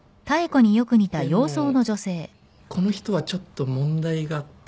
あっでもこの人はちょっと問題があって